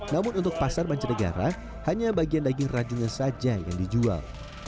namun untuk pasar bancanegara hanya bagian daging rajungan saja yang dijual